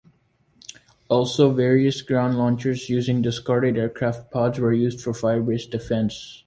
Also various ground launchers using discarded aircraft pods were used for fire base defence.